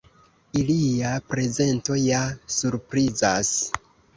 Ilia prezento ja surprizas.